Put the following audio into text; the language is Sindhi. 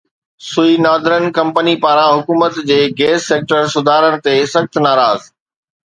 سوئي ناردرن ڪمپني پاران حڪومت جي گيس سيڪٽر سڌارن تي سخت اعتراض